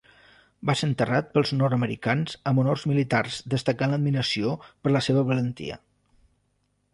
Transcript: Va ser enterrat pels nord-americans amb honors militars destacant l'admiració per la seva valentia.